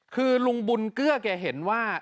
คือลุงบุญเกื้อแกเห็นว่า